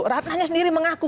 ratnanya sendiri mengaku